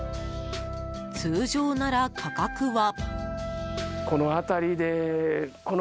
通常なら価格は。